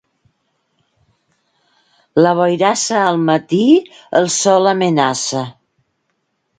La boirassa al matí el sol amenaça.